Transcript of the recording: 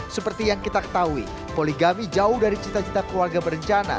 seperti yang kita ketahui poligami jauh dari cita cita keluarga berencana